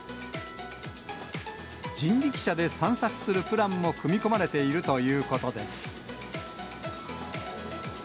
人力車で散策するプランも組み込まれているということです。